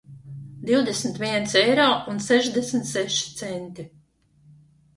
Divdesmit viens eiro un sešdesmit seši centi